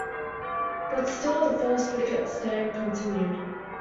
But still the first-wicket stand continued.